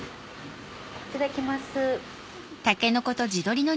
いただきます。